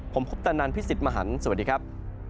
ผมคุปตะนันพี่สิทธิ์มหันฯสวัสดีครับ